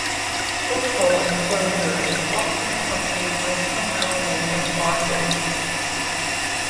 Total enclosure is often accompanied by some element of bondage.